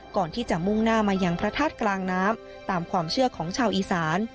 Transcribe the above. ก่อนที่จะมุ่งหน้ามายังพระธาตุกลางน้ำตามความเชื่อของชาวอีสาน